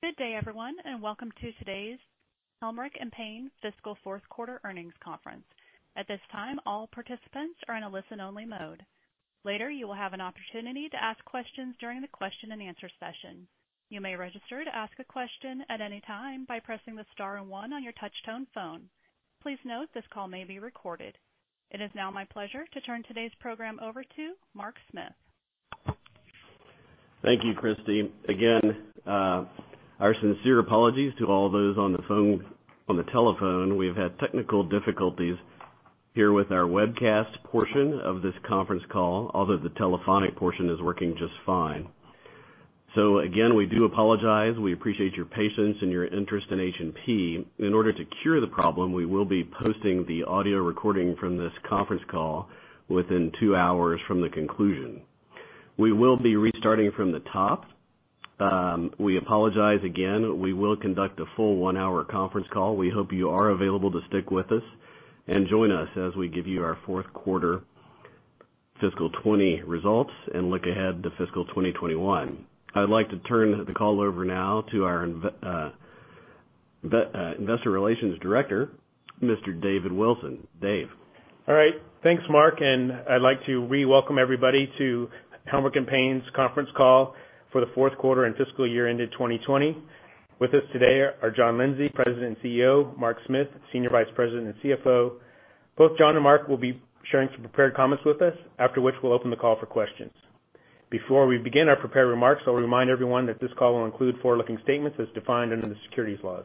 Good day, everyone, and welcome to today's Helmerich & Payne fiscal fourth quarter earnings conference. It is now my pleasure to turn today's program over to Mark Smith. Thank you, Christy. Our sincere apologies to all those on the telephone. We've had technical difficulties here with our webcast portion of this conference call, although the telephonic portion is working just fine. Again, we do apologize. We appreciate your patience and your interest in H&P. In order to cure the problem, we will be posting the audio recording from this conference call within 2 hours from the conclusion. We will be restarting from the top. We apologize again. We will conduct a full one hour conference call. We hope you are available to stick with us and join us as we give you our fourth quarter fiscal 2020 results and look ahead to fiscal 2021. I'd like to turn the call over now to our Investor Relations Director, Mr. Dave Wilson. Dave? All right. Thanks, Mark. I'd like to re-welcome everybody to Helmerich & Payne's conference call for the fourth quarter and fiscal year ended 2020. With us today are John Lindsay, President and CEO, Mark Smith, Senior Vice President and CFO. Both John and Mark will be sharing some prepared comments with us, after which we'll open the call for questions. Before we begin our prepared remarks, I'll remind everyone that this call will include forward-looking statements as defined under the securities laws.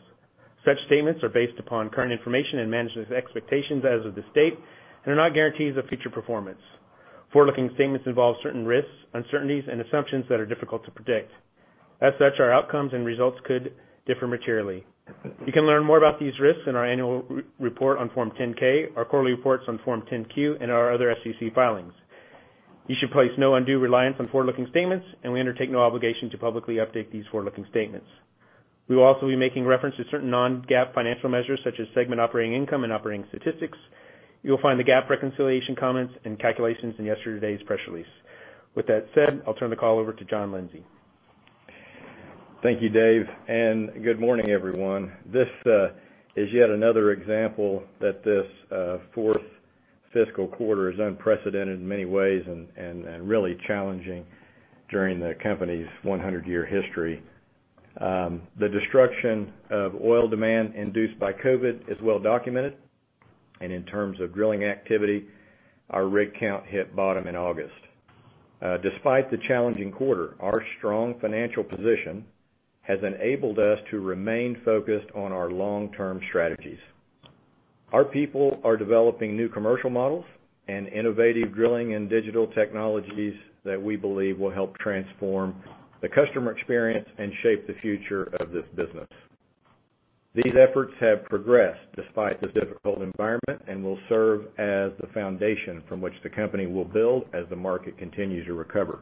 Such statements are based upon current information and management's expectations as of this date and are not guarantees of future performance. Forward-looking statements involve certain risks, uncertainties, and assumptions that are difficult to predict. As such, our outcomes and results could differ materially. You can learn more about these risks in our annual report on Form 10-K, our quarterly reports on Form 10-Q, and our other SEC filings. You should place no undue reliance on forward-looking statements, and we undertake no obligation to publicly update these forward-looking statements. We will also be making reference to certain non-GAAP financial measures, such as segment operating income and operating statistics. You'll find the GAAP reconciliation comments and calculations in yesterday's press release. With that said, I'll turn the call over to John Lindsay. Thank you, Dave, and good morning, everyone. This is yet another example that this fourth fiscal quarter is unprecedented in many ways and really challenging during the company's 100-year history. The destruction of oil demand induced by COVID-19 is well documented. In terms of drilling activity, our rig count hit bottom in August. Despite the challenging quarter, our strong financial position has enabled us to remain focused on our long-term strategies. Our people are developing new commercial models and innovative drilling and digital technologies that we believe will help transform the customer experience and shape the future of this business. These efforts have progressed despite the difficult environment and will serve as the foundation from which the company will build as the market continues to recover.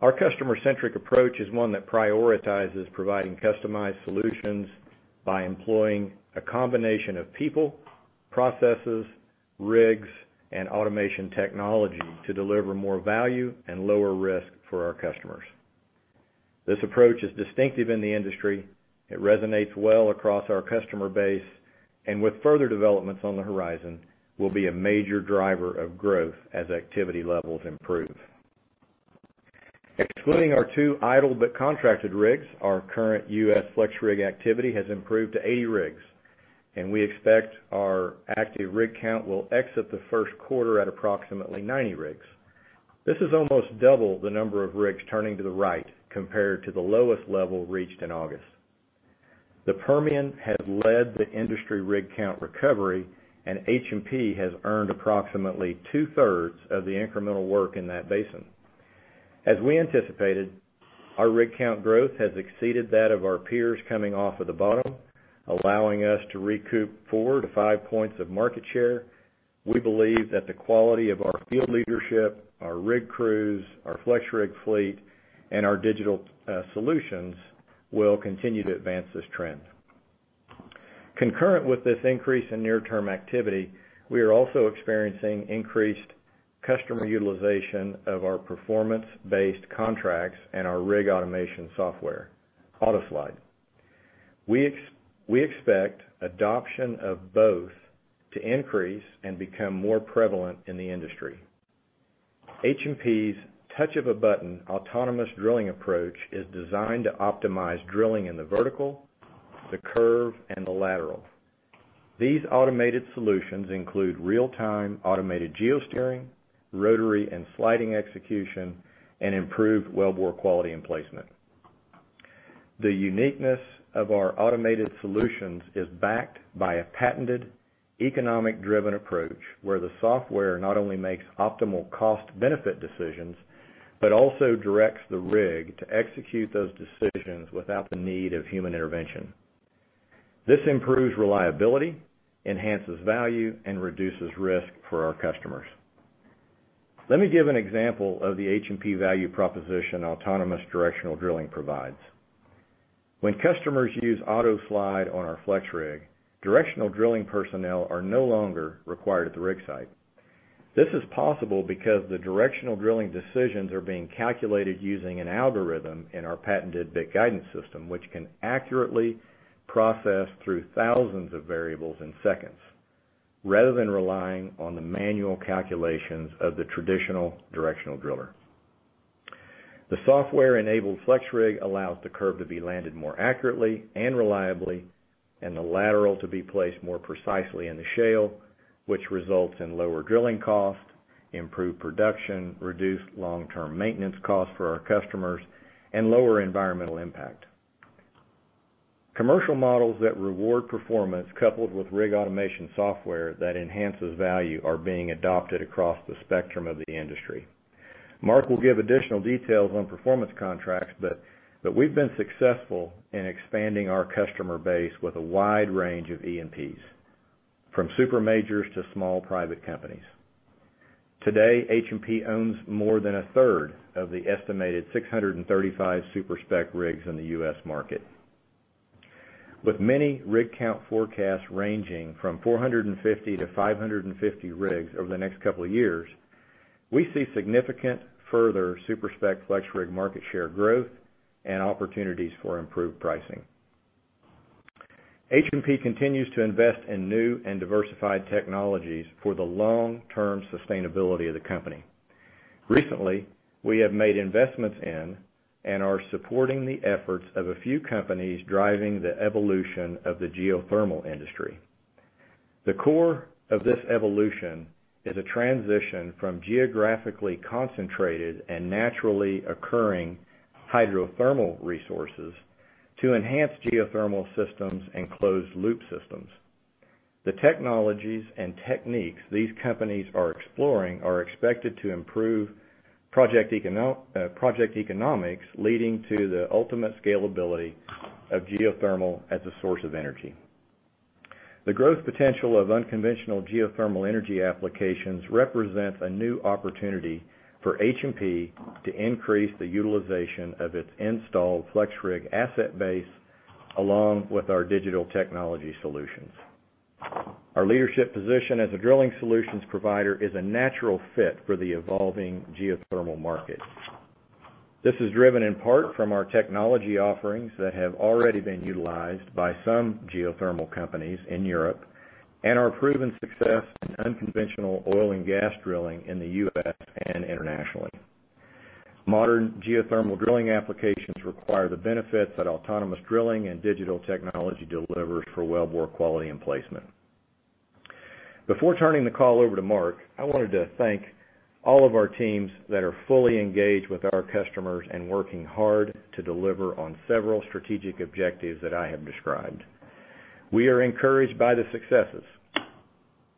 Our customer-centric approach is one that prioritizes providing customized solutions by employing a combination of people, processes, rigs, and automation technology to deliver more value and lower risk for our customers. This approach is distinctive in the industry. It resonates well across our customer base, and with further developments on the horizon, will be a major driver of growth as activity levels improve. Excluding our two idle but contracted rigs, our current U.S. FlexRig activity has improved to 80 rigs, and we expect our active rig count will exit the first quarter at approximately 90 rigs. This is almost double the number of rigs turning to the right compared to the lowest level reached in August. The Permian has led the industry rig count recovery, and H&P has earned approximately two-thirds of the incremental work in that basin. As we anticipated, our rig count growth has exceeded that of our peers coming off of the bottom, allowing us to recoup four to five points of market share. We believe that the quality of our field leadership, our rig crews, our FlexRig fleet, and our digital solutions will continue to advance this trend. Concurrent with this increase in near-term activity, we are also experiencing increased customer utilization of our performance-based contracts and our rig automation software, AutoSlide. We expect adoption of both to increase and become more prevalent in the industry. H&P's touch-of-a-button autonomous drilling approach is designed to optimize drilling in the vertical, the curve, and the lateral. These automated solutions include real-time automated geosteering, rotary and sliding execution, and improved well bore quality and placement. The uniqueness of our automated solutions is backed by a patented economic-driven approach, where the software not only makes optimal cost-benefit decisions, but also directs the rig to execute those decisions without the need of human intervention. This improves reliability, enhances value, and reduces risk for our customers. Let me give an example of the H&P value proposition autonomous directional drilling provides. When customers use AutoSlide on our FlexRig, directional drilling personnel are no longer required at the rig site. This is possible because the directional drilling decisions are being calculated using an algorithm in our patented Bit Guidance System, which can accurately process through thousands of variables in seconds, rather than relying on the manual calculations of the traditional directional driller. The software-enabled FlexRig allows the curve to be landed more accurately and reliably, and the lateral to be placed more precisely in the shale, which results in lower drilling costs, improved production, reduced long-term maintenance costs for our customers, and lower environmental impact. Commercial models that reward performance coupled with rig automation software that enhances value are being adopted across the spectrum of the industry. Mark will give additional details on performance contracts, but we've been successful in expanding our customer base with a wide range of E&Ps, from super majors to small private companies. Today, H&P owns more than 1/3 of the estimated 635 super-spec rigs in the U.S. market. With many rig count forecasts ranging from 450-550 rigs over the next couple of years, we see significant further super-spec FlexRig market share growth and opportunities for improved pricing. H&P continues to invest in new and diversified technologies for the long-term sustainability of the company. Recently, we have made investments in and are supporting the efforts of a few companies driving the evolution of the geothermal industry. The core of this evolution is a transition from geographically concentrated and naturally occurring hydrothermal resources to enhanced geothermal systems and closed loop systems. The technologies and techniques these companies are exploring are expected to improve project economics, leading to the ultimate scalability of geothermal as a source of energy. The growth potential of unconventional geothermal energy applications represents a new opportunity for H&P to increase the utilization of its installed FlexRig asset base, along with our digital technology solutions. Our leadership position as a drilling solutions provider is a natural fit for the evolving geothermal market. This is driven in part from our technology offerings that have already been utilized by some geothermal companies in Europe and our proven success in unconventional oil and gas drilling in the U.S. and internationally. Modern geothermal drilling applications require the benefits that autonomous drilling and digital technology delivers for well bore quality and placement. Before turning the call over to Mark, I wanted to thank all of our teams that are fully engaged with our customers and working hard to deliver on several strategic objectives that I have described. We are encouraged by the successes,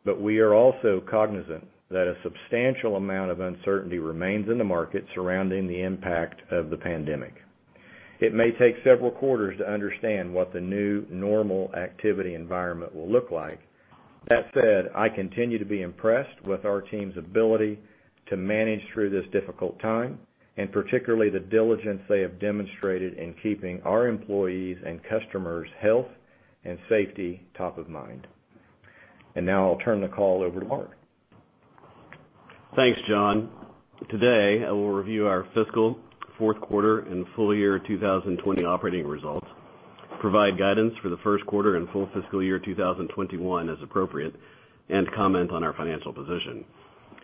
but we are also cognizant that a substantial amount of uncertainty remains in the market surrounding the impact of the pandemic. It may take several quarters to understand what the new normal activity environment will look like. That said, I continue to be impressed with our team's ability to manage through this difficult time, and particularly the diligence they have demonstrated in keeping our employees' and customers' health and safety top of mind. Now I'll turn the call over to Mark. Thanks, John. Today, I will review our fiscal fourth quarter and full year 2020 operating results, provide guidance for the first quarter and full fiscal year 2021 as appropriate, and comment on our financial position.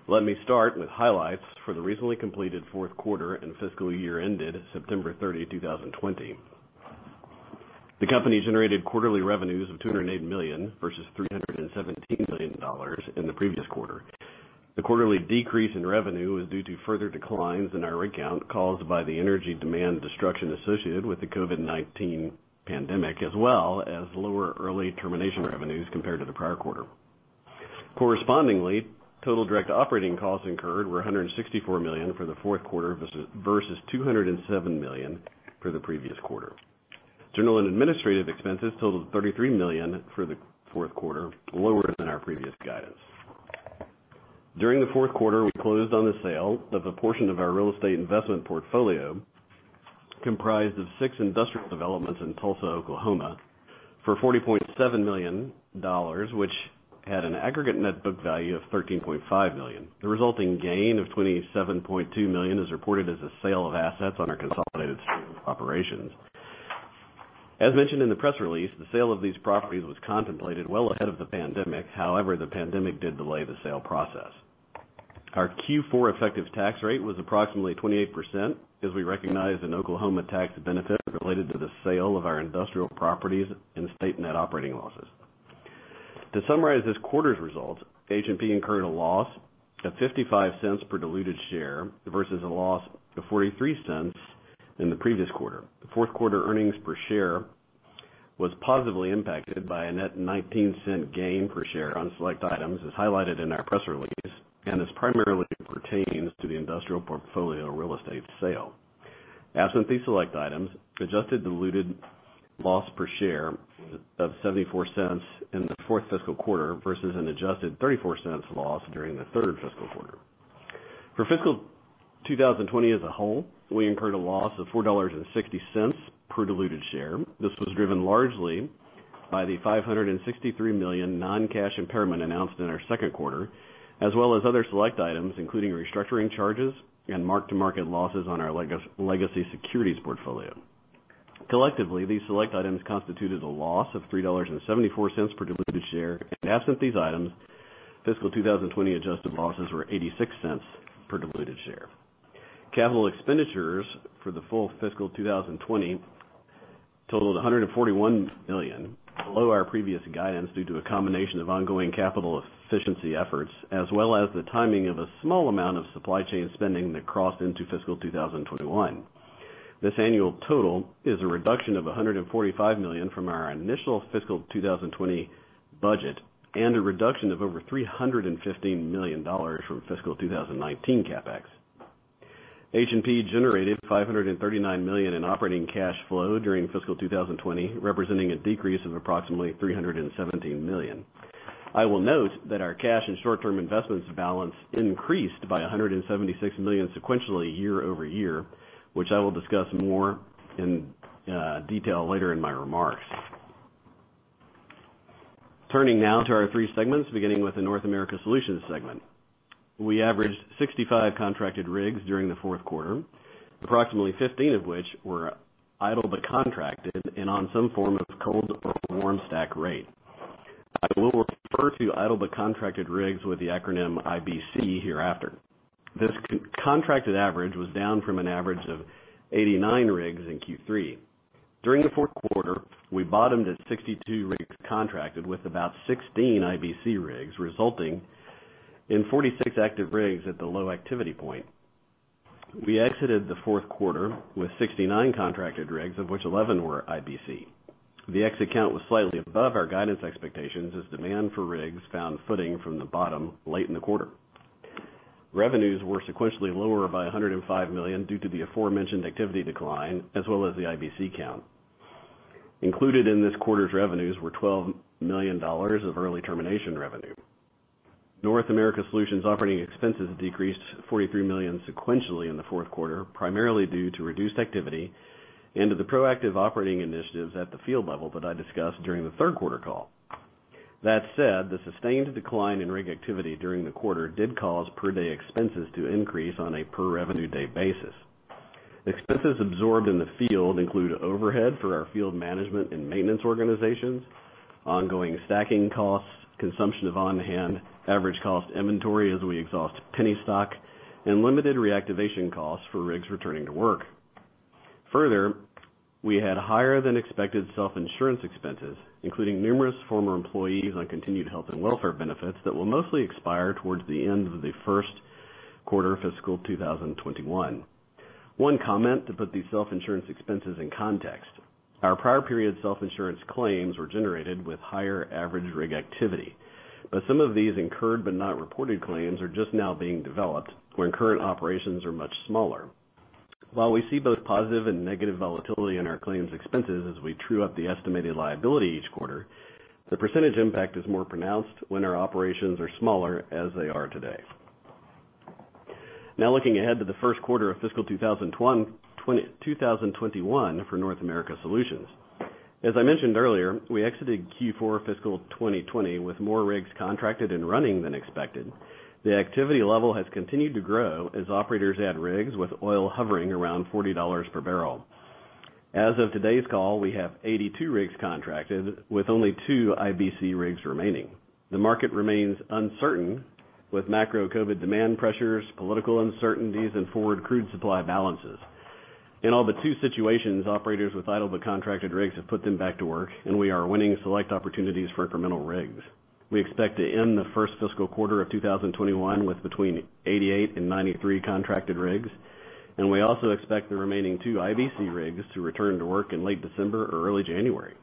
Let me start with highlights for the recently completed fourth quarter and fiscal year ended September 30, 2020. The company generated quarterly revenues of $208 million versus $317 million in the previous quarter. The quarterly decrease in revenue was due to further declines in our rig count caused by the energy demand destruction associated with the COVID-19 pandemic, as well as lower early termination revenues compared to the prior quarter. Correspondingly, total direct operating costs incurred were $164 million for the fourth quarter versus $207 million for the previous quarter. General and administrative expenses totaled $33 million for the fourth quarter, lower than our previous guidance. During the fourth quarter, we closed on the sale of a portion of our real estate investment portfolio comprised of six industrial developments in Tulsa, Oklahoma, for $40.7 million, which had an aggregate net book value of $13.5 million. The resulting gain of $27.2 million is reported as a sale of assets on our consolidated statement of operations. As mentioned in the press release, the sale of these properties was contemplated well ahead of the pandemic. However, the pandemic did delay the sale process. Our Q4 effective tax rate was approximately 28% as we recognized an Oklahoma tax benefit related to the sale of our industrial properties and state net operating losses. To summarize this quarter's results, H&P incurred a loss of $0.55 per diluted share versus a loss of $0.43 in the previous quarter. The fourth quarter earnings per share was positively impacted by a net $0.19 gain per share on select items, as highlighted in our press release, this primarily pertains to the industrial portfolio real estate sale. Absent these select items, adjusted diluted loss per share of $0.74 in the fourth fiscal quarter versus an adjusted $0.34 loss during the third fiscal quarter. For fiscal 2020 as a whole, we incurred a loss of $4.60 per diluted share. This was driven largely by the $563 million non-cash impairment announced in our second quarter, as well as other select items, including restructuring charges and mark-to-market losses on our legacy securities portfolio. Collectively, these select items constituted a loss of $3.74 per diluted share. Absent these items, fiscal 2020 adjusted losses were $0.86 per diluted share. Capital expenditures for the full fiscal 2020 totaled $141 million, below our previous guidance due to a combination of ongoing capital efficiency efforts, as well as the timing of a small amount of supply chain spending that crossed into fiscal 2021. This annual total is a reduction of $145 million from our initial fiscal 2020 budget and a reduction of over $315 million from fiscal 2019 CapEx. H&P generated $539 million in operating cash flow during fiscal 2020, representing a decrease of approximately $317 million. I will note that our cash and short-term investments balance increased by $176 million sequentially year-over-year, which I will discuss more in detail later in my remarks. Turning now to our three segments, beginning with the North America Solutions segment. We averaged 65 contracted rigs during the fourth quarter, approximately 15 of which were idled but contracted and on some form of cold or warm stack rate. I will refer to idle but contracted rigs with the acronym IBC hereafter. This contracted average was down from an average of 89 rigs in Q3. During the fourth quarter, we bottomed at 62 rigs contracted with about 16 IBC rigs, resulting in 46 active rigs at the low activity point. We exited the fourth quarter with 69 contracted rigs, of which 11 were IBC. The exit count was slightly above our guidance expectations as demand for rigs found footing from the bottom late in the quarter. Revenues were sequentially lower by $105 million due to the aforementioned activity decline, as well as the IBC count. Included in this quarter's revenues were $12 million of early termination revenue. North America Solutions operating expenses decreased $43 million sequentially in the fourth quarter, primarily due to reduced activity and to the proactive operating initiatives at the field level that I discussed during the third quarter call. That said, the sustained decline in rig activity during the quarter did cause per-day expenses to increase on a per revenue day basis. Expenses absorbed in the field include overhead for our field management and maintenance organizations, ongoing stacking costs, consumption of on-hand average cost inventory as we exhaust penny stock, and limited reactivation costs for rigs returning to work. Further, we had higher than expected self-insurance expenses, including numerous former employees on continued health and welfare benefits that will mostly expire towards the end of the first quarter fiscal 2021. One comment to put these self-insurance expenses in context. Our prior period self-insurance claims were generated with higher average rig activity, but some of these incurred but not reported claims are just now being developed when current operations are much smaller. While we see both positive and negative volatility in our claims expenses as we true up the estimated liability each quarter, the percentage impact is more pronounced when our operations are smaller as they are today. Looking ahead to the first quarter of fiscal 2021 for North America Solutions. As I mentioned earlier, we exited Q4 fiscal 2020 with more rigs contracted and running than expected. The activity level has continued to grow as operators add rigs with oil hovering around $40 per barrel. As of today's call, we have 82 rigs contracted with only two IBC rigs remaining. The market remains uncertain with macro COVID demand pressures, political uncertainties, and forward crude supply balances. In all but two situations, operators with idle but contracted rigs have put them back to work, and we are winning select opportunities for incremental rigs. We expect to end the first fiscal quarter of 2021 with between 88 and 93 contracted rigs, and we also expect the remaining two IBC rigs to return to work in late December or early January.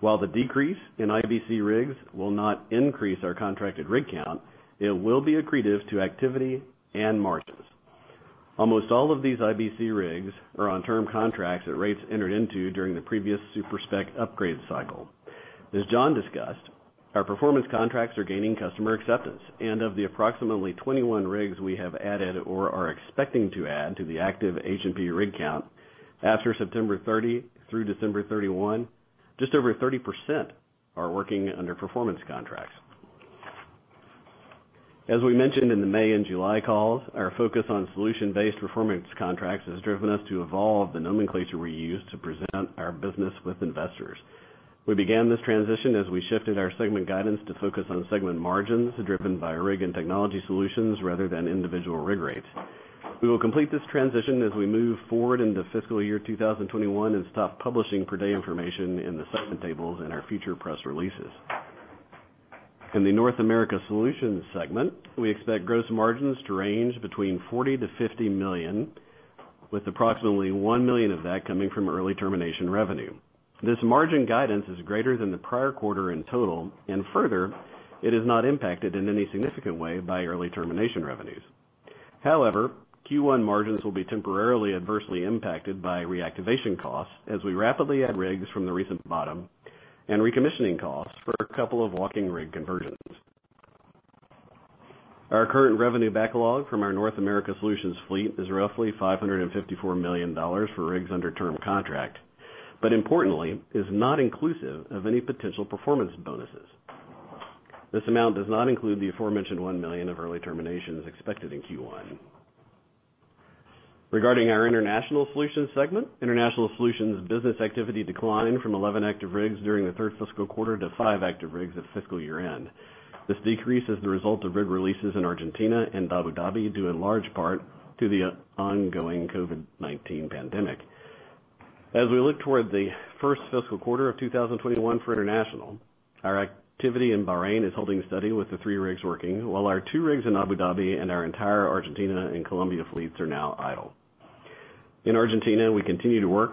While the decrease in IBC rigs will not increase our contracted rig count, it will be accretive to activity and margins. Almost all of these IBC rigs are on term contracts at rates entered into during the previous super-spec upgrade cycle. As John discussed, our performance contracts are gaining customer acceptance, and of the approximately 21 rigs we have added or are expecting to add to the active H&P rig count after September 30 through December 31, just over 30% are working under performance contracts. As we mentioned in the May and July calls, our focus on solution-based performance contracts has driven us to evolve the nomenclature we use to present our business with investors. We began this transition as we shifted our segment guidance to focus on segment margins driven by rig and technology solutions rather than individual rig rates. We will complete this transition as we move forward into fiscal year 2021 and stop publishing per-day information in the segment tables in our future press releases. In the North America Solutions segment, we expect gross margins to range between $40 million-$50 million, with approximately $1 million of that coming from early termination revenue. This margin guidance is greater than the prior quarter in total, and further, it is not impacted in any significant way by early termination revenues. However, Q1 margins will be temporarily adversely impacted by reactivation costs as we rapidly add rigs from the recent bottom. Recommissioning costs for a couple of walking rig conversions. Our current revenue backlog from our North America Solutions fleet is roughly $554 million for rigs under term contract, but importantly, is not inclusive of any potential performance bonuses. This amount does not include the aforementioned $1 million of early terminations expected in Q1. Regarding our International Solutions segment, International Solutions business activity declined from 11 active rigs during the third fiscal quarter to five active rigs at fiscal year-end. This decrease is the result of rig releases in Argentina and Abu Dhabi, due in large part to the ongoing COVID-19 pandemic. As we look toward the first fiscal quarter of 2021 for International, our activity in Bahrain is holding steady with the three rigs working, while our two rigs in Abu Dhabi and our entire Argentina and Colombia fleets are now idle. In Argentina, we continue to work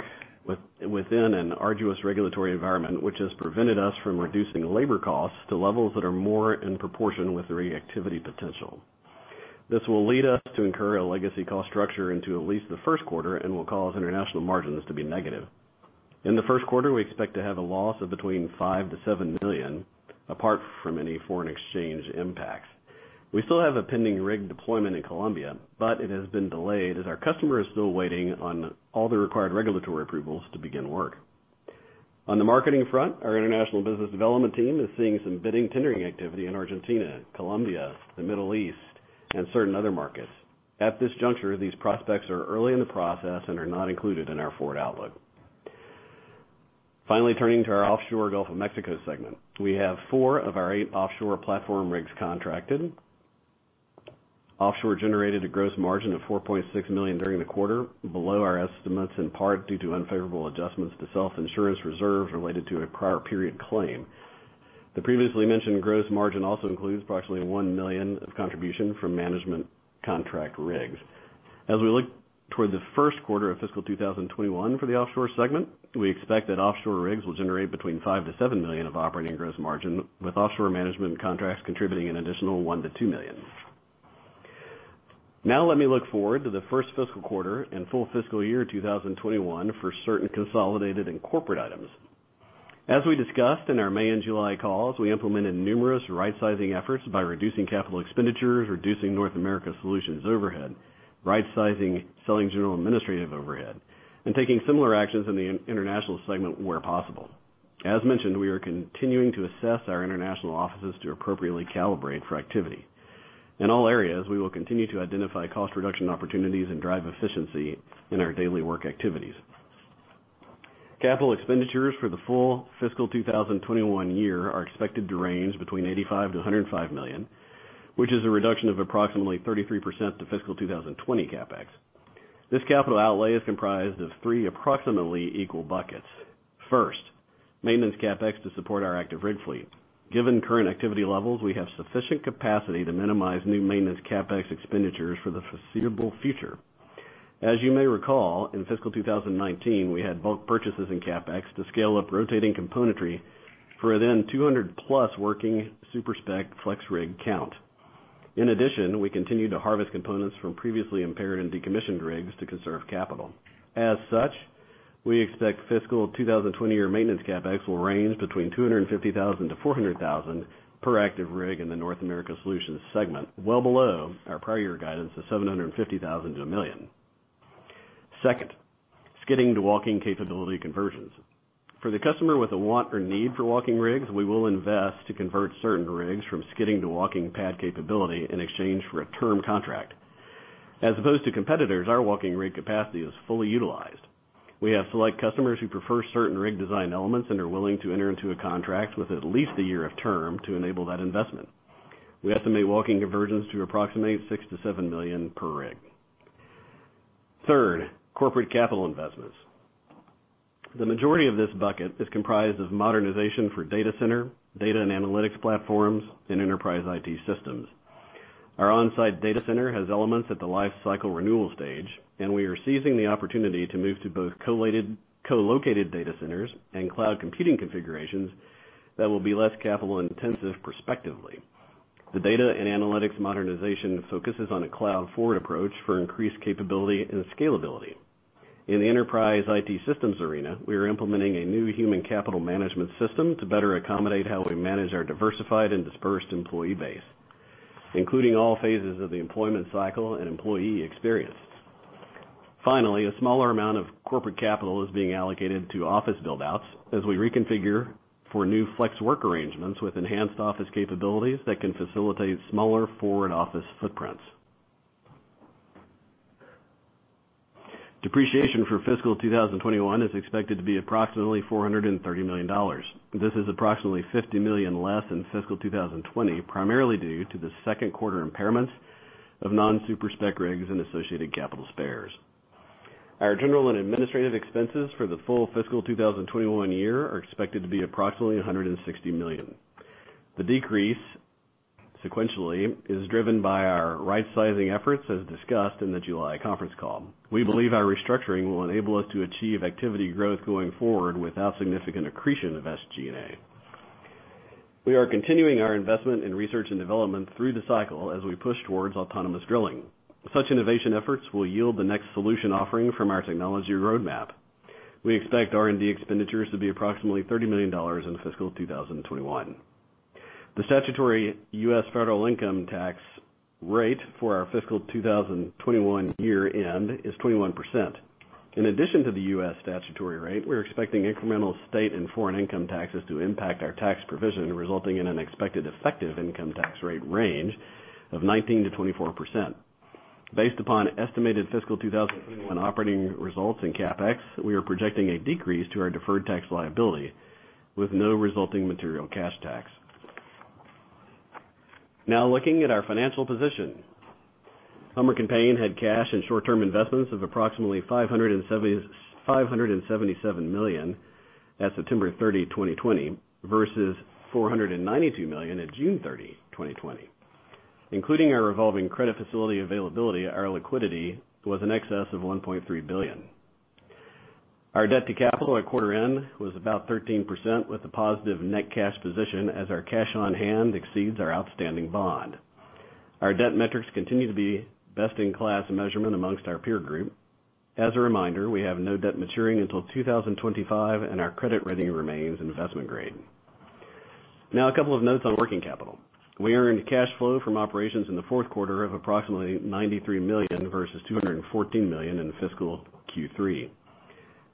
within an arduous regulatory environment, which has prevented us from reducing labor costs to levels that are more in proportion with the reactivity potential. This will lead us to incur a legacy cost structure into at least the first quarter and will cause International margins to be negative. In the first quarter, we expect to have a loss of $5 million-$7 million, apart from any foreign exchange impacts. We still have a pending rig deployment in Colombia, but it has been delayed as our customer is still waiting on all the required regulatory approvals to begin work. On the marketing front, our international business development team is seeing some bidding tendering activity in Argentina, Colombia, the Middle East, and certain other markets. At this juncture, these prospects are early in the process and are not included in our forward outlook. Finally, turning to our offshore Gulf of Mexico segment. We have 4 of our 8 offshore platform rigs contracted. Offshore generated a gross margin of $4.6 million during the quarter, below our estimates, in part due to unfavorable adjustments to self-insurance reserves related to a prior period claim. The previously mentioned gross margin also includes approximately $1 million of contribution from management contract rigs. As we look toward the first quarter of fiscal 2021 for the offshore segment, we expect that offshore rigs will generate between $5 million-$7 million of operating gross margin, with offshore management contracts contributing an additional $1 million-$2 million. Let me look forward to the first fiscal quarter and full fiscal year 2021 for certain consolidated and corporate items. As we discussed in our May and July calls, we implemented numerous rightsizing efforts by reducing capital expenditures, reducing North America Solutions overhead, rightsizing selling general administrative overhead, and taking similar actions in the international segment where possible. As mentioned, we are continuing to assess our international offices to appropriately calibrate for activity. In all areas, we will continue to identify cost reduction opportunities and drive efficiency in our daily work activities. Capital expenditures for the full fiscal 2021 year are expected to range between $85 million-$105 million, which is a reduction of approximately 33% to fiscal 2020 CapEx. This capital outlay is comprised of three approximately equal buckets. First, maintenance CapEx to support our active rig fleet. Given current activity levels, we have sufficient capacity to minimize new maintenance CapEx expenditures for the foreseeable future. As you may recall, in fiscal 2019, we had bulk purchases in CapEx to scale up rotating componentry for a then 200-plus working super-spec FlexRig count. In addition, we continued to harvest components from previously impaired and decommissioned rigs to conserve capital. We expect fiscal 2020 year maintenance CapEx will range between $250,000-$400,000 per active rig in the North America Solutions segment, well below our prior year guidance of $750,000-$1 million. Second, skidding to walking capability conversions. For the customer with a want or need for walking rigs, we will invest to convert certain rigs from skidding to walking pad capability in exchange for a term contract. As opposed to competitors, our walking rig capacity is fully utilized. We have select customers who prefer certain rig design elements and are willing to enter into a contract with at least a year of term to enable that investment. We estimate walking conversions to approximate $6 million-$7 million per rig. Third, corporate capital investments. The majority of this bucket is comprised of modernization for data center, data and analytics platforms, and enterprise IT systems. Our on-site data center has elements at the life cycle renewal stage, and we are seizing the opportunity to move to both co-located data centers and cloud computing configurations that will be less capital intensive prospectively. The data and analytics modernization focuses on a cloud-forward approach for increased capability and scalability. In the enterprise IT systems arena, we are implementing a new human capital management system to better accommodate how we manage our diversified and dispersed employee base, including all phases of the employment cycle and employee experience. Finally, a smaller amount of corporate capital is being allocated to office build-outs as we reconfigure for new flex work arrangements with enhanced office capabilities that can facilitate smaller forward office footprints. Depreciation for fiscal 2021 is expected to be approximately $430 million. This is approximately $50 million less than fiscal 2020, primarily due to the second quarter impairments of non super-spec rigs and associated capital spares. Our general and administrative expenses for the full fiscal 2021 year are expected to be approximately $160 million. The decrease sequentially is driven by our rightsizing efforts, as discussed in the July conference call. We believe our restructuring will enable us to achieve activity growth going forward without significant accretion of SG&A. We are continuing our investment in research and development through the cycle as we push towards autonomous drilling. Such innovation efforts will yield the next solution offering from our technology roadmap. We expect R&D expenditures to be approximately $30 million in fiscal 2021. The statutory U.S. federal income tax rate for our fiscal 2021 year-end is 21%. In addition to the U.S. statutory rate, we're expecting incremental state and foreign income taxes to impact our tax provision, resulting in an expected effective income tax rate range of 19%-24%. Based upon estimated fiscal 2021 operating results in CapEx, we are projecting a decrease to our deferred tax liability with no resulting material cash tax. Now looking at our financial position. Helmerich & Payne had cash and short-term investments of approximately $577 million at September 30, 2020, versus $492 million at June 30, 2020. Including our revolving credit facility availability, our liquidity was in excess of $1.3 billion. Our debt to capital at quarter end was about 13% with a positive net cash position as our cash on hand exceeds our outstanding bond. Our debt metrics continue to be best-in-class measurement amongst our peer group. As a reminder, we have no debt maturing until 2025, and our credit rating remains investment grade. A couple of notes on working capital. We earned cash flow from operations in the fourth quarter of approximately $93 million versus $214 million in fiscal Q3.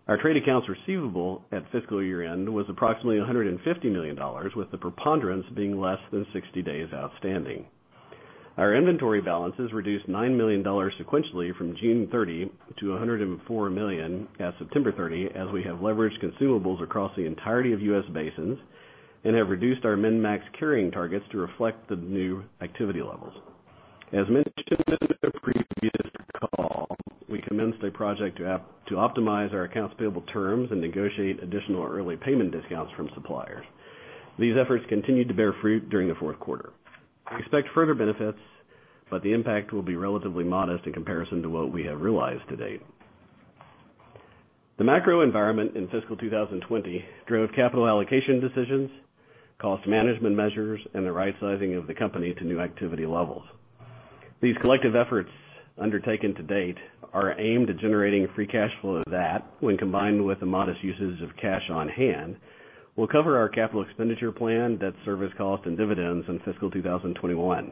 Our trade accounts receivable at fiscal year-end was approximately $150 million, with the preponderance being less than 60 days outstanding. Our inventory balances reduced $9 million sequentially from June 30 to $104 million at September 30, as we have leveraged consumables across the entirety of U.S. basins and have reduced our min-max carrying targets to reflect the new activity levels. As mentioned in the previous call, we commenced a project to optimize our accounts payable terms and negotiate additional early payment discounts from suppliers. These efforts continued to bear fruit during the fourth quarter. We expect further benefits, but the impact will be relatively modest in comparison to what we have realized to date. The macro environment in fiscal 2020 drove capital allocation decisions, cost management measures, and the right sizing of the company to new activity levels. These collective efforts undertaken to date are aimed at generating free cash flow that, when combined with the modest usage of cash on hand, will cover our capital expenditure plan, debt service cost, and dividends in fiscal 2021.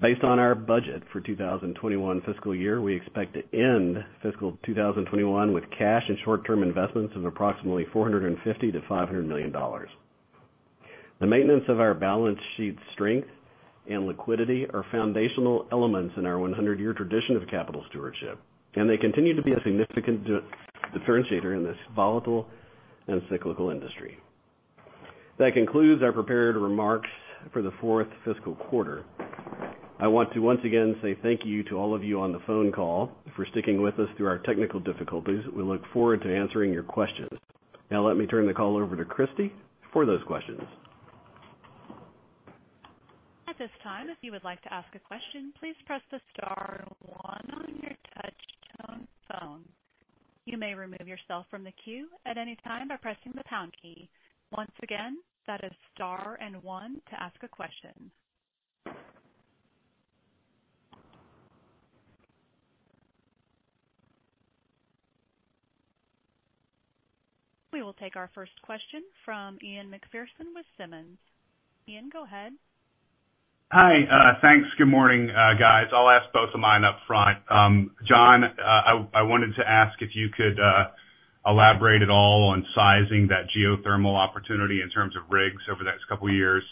Based on our budget for 2021 fiscal year, we expect to end fiscal 2021 with cash and short-term investments of approximately $450 million-$500 million. The maintenance of our balance sheet strength and liquidity are foundational elements in our 100-year tradition of capital stewardship, and they continue to be a significant differentiator in this volatile and cyclical industry. That concludes our prepared remarks for the fourth fiscal quarter. I want to once again say thank you to all of you on the phone call for sticking with us through our technical difficulties. We look forward to answering your questions. Let me turn the call over to Christy for those questions. We will take our first question from Ian MacPherson with Simmons. Ian, go ahead. Hi. Thanks. Good morning, guys. I'll ask both of mine up front. John, I wanted to ask if you could elaborate at all on sizing that geothermal opportunity in terms of rigs over the next couple of years.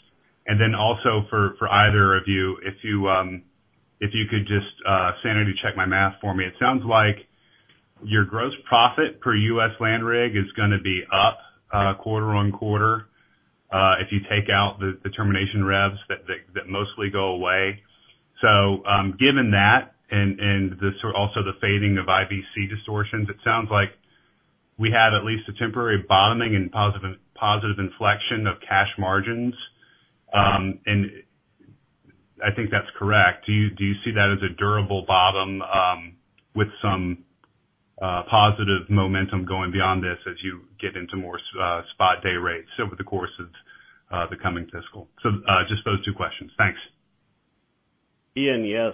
Then also for either of you, if you could just sanity check my math for me. It sounds like your gross profit per U.S. land rig is going to be up quarter-on-quarter, if you take out the termination revs that mostly go away. Given that and also the fading of IBC distortions, it sounds like we had at least a temporary bottoming and positive inflection of cash margins. I think that's correct. Do you see that as a durable bottom with some positive momentum going beyond this as you get into more spot day rates over the course of the coming fiscal? Just those two questions. Thanks. Ian, yes.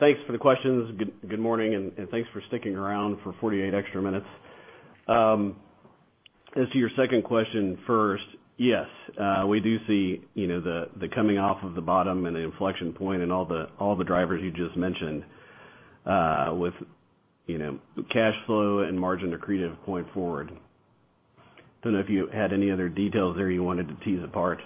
Thanks for the questions. Good morning. Thanks for sticking around for 48 extra minutes. As to your second question first, yes, we do see the coming off of the bottom and the inflection point and all the drivers you just mentioned, with cash flow and margin accretive going forward. Don't know if you had any other details there you wanted to tease apart.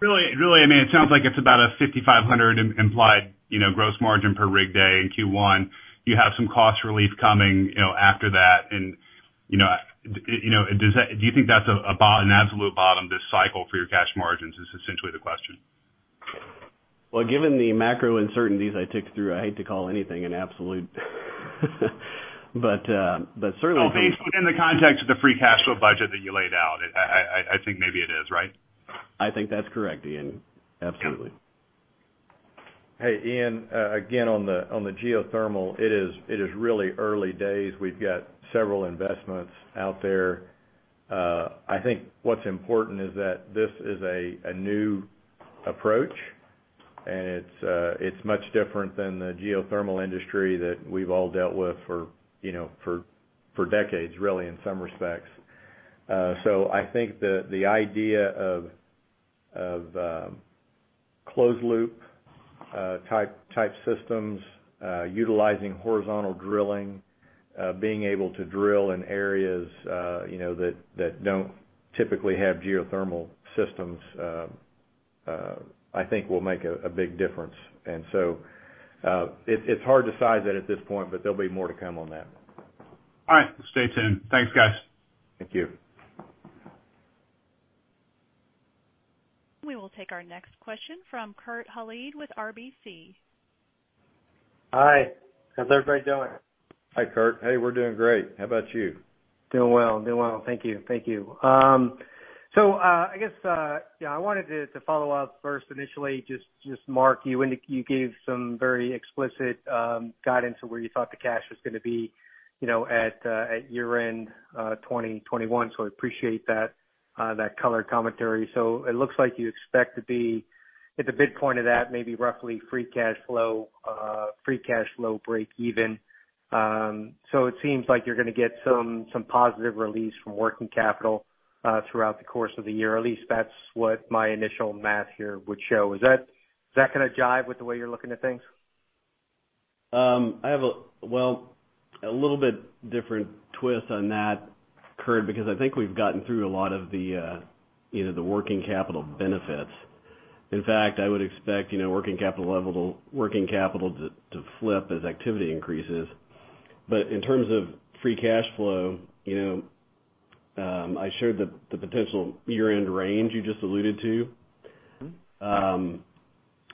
Really, it sounds like it's about a $5,500 implied gross margin per rig day in Q1. You have some cost relief coming after that. Do you think that's an absolute bottom this cycle for your cash margins, is essentially the question? Well, given the macro uncertainties I ticked through, I hate to call anything an absolute. Well, based within the context of the free cash flow budget that you laid out, I think maybe it is, right? I think that's correct, Ian. Absolutely. Hey, Ian, again, on the geothermal, it is really early days. We've got several investments out there. I think what's important is that this is a new approach, and it's much different than the geothermal industry that we've all dealt with for decades, really, in some respects. I think the idea of closed loop type systems utilizing horizontal drilling, being able to drill in areas that don't typically have geothermal systems, I think will make a big difference. It's hard to size it at this point, but there'll be more to come on that. All right. Stay tuned. Thanks, guys. Thank you. We will take our next question from Kurt Hallead with RBC. Hi. How's everybody doing? Hi, Kurt. Hey, we're doing great. How about you? Doing well. Thank you. I wanted to follow up first initially, just Mark, you gave some very explicit guidance on where you thought the cash was going to be at year-end 2021. I appreciate that color commentary. It looks like you expect to be at the midpoint of that, maybe roughly free cash flow breakeven. It seems like you're going to get some positive release from working capital throughout the course of the year. At least that's what my initial math here would show. Does that kind of jive with the way you're looking at things? A little bit different twist on that, Kurt, because I think we've gotten through a lot of the working capital benefits. In fact, I would expect working capital to flip as activity increases. In terms of free cash flow, I shared the potential year-end range you just alluded to.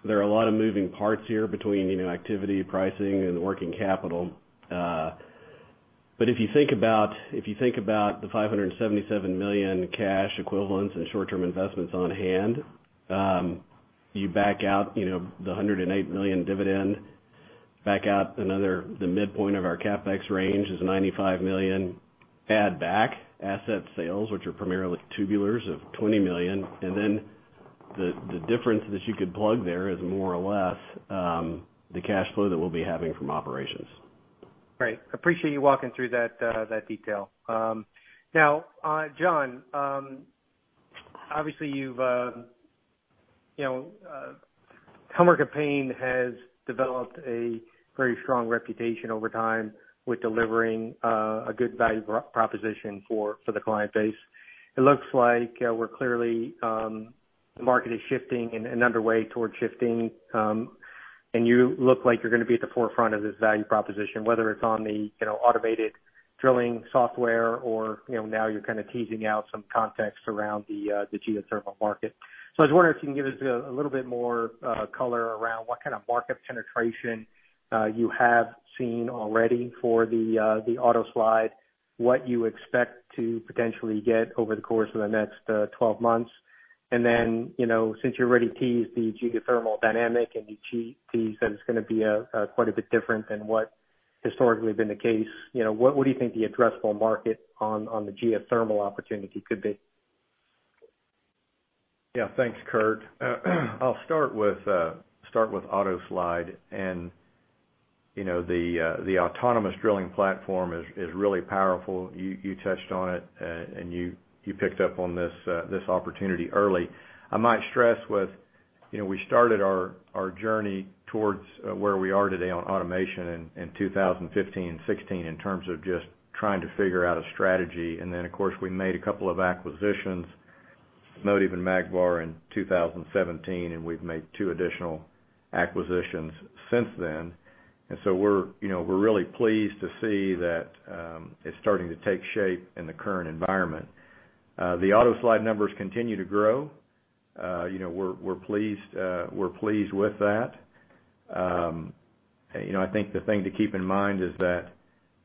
There are a lot of moving parts here between activity, pricing, and working capital. If you think about the $577 million cash equivalents and short-term investments on hand, you back out the $108 million dividend, back out the midpoint of our CapEx range is $95 million. Add back asset sales, which are primarily tubulars of $20 million, and then the difference that you could plug there is more or less the cash flow that we'll be having from operations. Great. Appreciate you walking through that detail. John, obviously Helmerich & Payne has developed a very strong reputation over time with delivering a good value proposition for the client base. It looks like the market is shifting and underway towards shifting. You look like you're going to be at the forefront of this value proposition, whether it's on the automated drilling software or now you're kind of teasing out some context around the geothermal market. I was wondering if you can give us a little bit more color around what kind of market penetration you have seen already for the AutoSlide, what you expect to potentially get over the course of the next 12 months, and then, since you already teased the geothermal dynamic and you teased that it is going to be quite a bit different than what historically has been the case, what do you think the addressable market on the geothermal opportunity could be? Yeah. Thanks, Kurt. I'll start with AutoSlide. The autonomous drilling platform is really powerful. You touched on it, and you picked up on this opportunity early. I might stress we started our journey towards where we are today on automation in 2015 and 2016 in terms of just trying to figure out a strategy. Of course, we made a couple of acquisitions, Motive and Magnetic Variation Services, in 2017, and we've made two additional acquisitions since then. We're really pleased to see that it's starting to take shape in the current environment. The AutoSlide numbers continue to grow. We're pleased with that. I think the thing to keep in mind is that